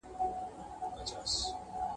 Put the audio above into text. خلګو د امنيت د ټينګښت له پاره قربانۍ ورکړي دي.